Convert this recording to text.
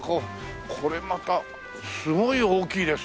これまたすごい大きいですね。